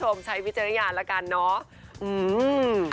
หลอกมาใช้วิเจยานละกันเนาะ